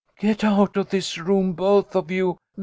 Get out of this room, both of you